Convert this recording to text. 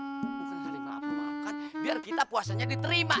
bukan hari ngapain makan biar kita puasanya diterima